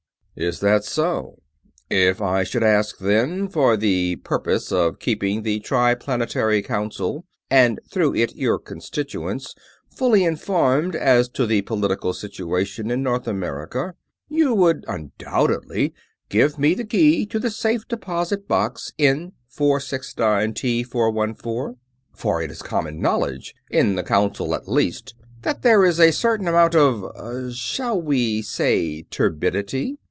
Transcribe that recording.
"Is that so? If I should ask, then, for the purpose of keeping the Triplanetary Council, and through it your constituents, fully informed as to the political situation in North America, you would undoubtedly give me the key to safe deposit box N469T414? For it is common knowledge, in the Council at least, that there is a certain amount of shall we say turbidity?